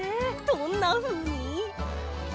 どんなふうに？